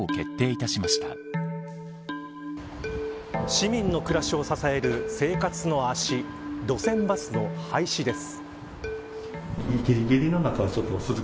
市民の暮らしを支える生活の足路線バスの廃止です。